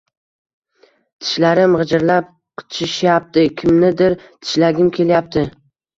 Tishlarim gʻijjirlab, qichishyapti, kimnidir tishlagim kelyapti.